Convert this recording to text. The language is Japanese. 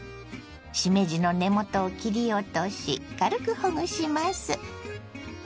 しめじの根元を切り落とし軽くほぐします。